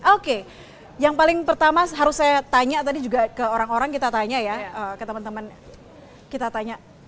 oke yang paling pertama harus saya tanya tadi juga ke orang orang kita tanya ya ke teman teman kita tanya